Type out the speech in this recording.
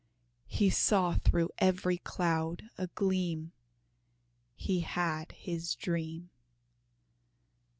He saw through every cloud a gleam He had his dream.